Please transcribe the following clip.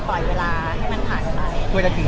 ปล่อยเวลาให้มันผ่านไป